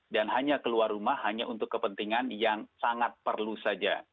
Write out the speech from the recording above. dan hanya keluar rumah hanya untuk kepentingan yang sangat perlu saja